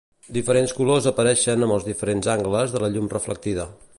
Diferents colors apareixen amb els diferents angles de la llum reflectida.